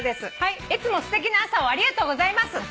「いつもすてきな朝をありがとうございます。